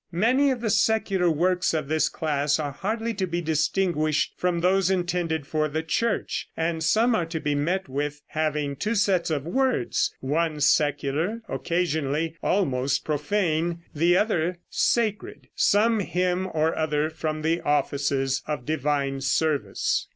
Many of the secular works of this class are hardly to be distinguished from those intended for the Church, and some are to be met with, having two sets of words, one secular, occasionally almost profane; the other sacred, some hymn or other from the offices of divine service.